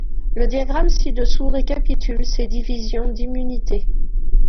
Le diagramme ci-dessous récapitule ces divisions d'immunité.